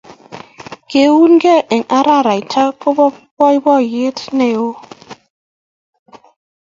Keungei eng araraita ko po baiboiyet ne oo